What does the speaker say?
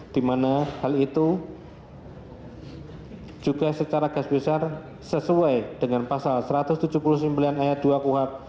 di mana hal itu juga secara gas besar sesuai dengan pasal satu ratus tujuh puluh sembilan ayat dua kuhap